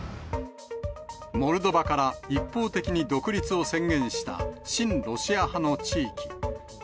モルドバから一方的に独立を宣言した親ロシア派の地域。